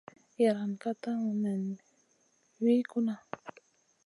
Iyran ka tanu nen min gunna.